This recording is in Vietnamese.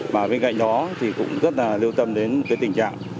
và bên cạnh đó thì cũng rất là lưu tâm đến cái tình trạng